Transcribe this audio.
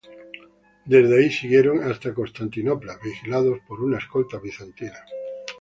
Desde ahí siguieron hasta Constantinopla vigilados por una escolta bizantina.